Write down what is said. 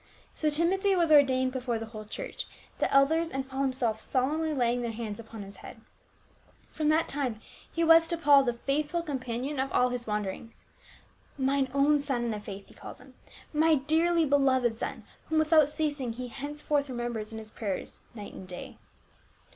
So Timothy was ordained before the whole church ;* the elders and Paul himself solemnly laying their hands upon his head. From that time he was to Paul the faithful companion of all his wanderings. " Mine own son in the faith," he calls him. " My dearly beloved son," whom without ceasing he henceforth remembers in his prayers night and day.